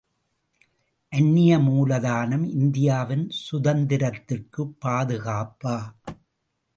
அந்நிய மூலதனம் இந்தியாவின் சுதந்திரத்திற்குப் பாதுகாப்பா?